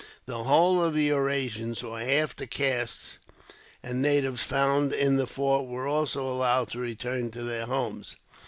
The whole of the Eurasians, or half castes, and natives found in the fort were also allowed to return to their homes.